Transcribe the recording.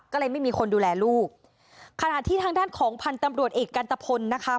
ก็เลยไม่มีคนดูแลลูกขณะที่ทางด้านของพันธุ์ตำรวจเอกกันตะพลนะคะ